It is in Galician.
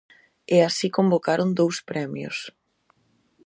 E así convocaron dous premios.